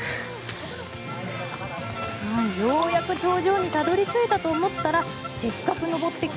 ようやく頂上にたどり着いたと思ったらせっかく登ってきた